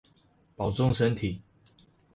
保重身體